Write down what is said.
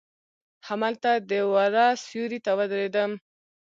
هملته د وره سیوري ته ودریدم.